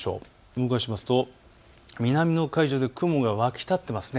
動かすと南の海上で雲が湧き立っています。